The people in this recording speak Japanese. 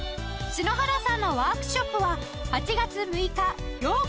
篠原さんのワークショップは８月６日８日に開催！